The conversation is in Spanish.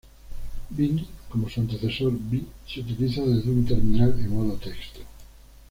Vim, como su antecesor vi, se utiliza desde un Terminal en modo texto.